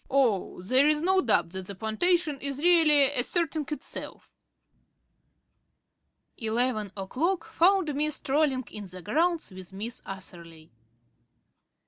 Oh, there's no doubt that the plantation is really asserting itself." Eleven o'clock found me strolling in the grounds with Miss Atherley.